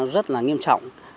rất là nghiêm trọng